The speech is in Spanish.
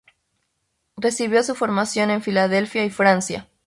Recibió su formación en Filadelfia y Francia.